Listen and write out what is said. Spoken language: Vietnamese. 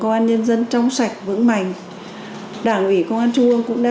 thì không sử dụng rượu bia